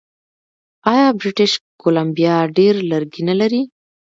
آیا بریټیش کولمبیا ډیر لرګي نلري؟